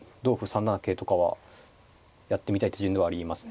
３七桂とかはやってみたい手順ではありますね。